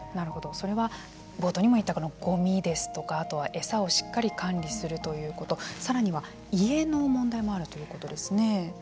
それは冒頭にも言ったゴミですとかあとは餌をしっかり管理するということさらには家の問題もあるということですね。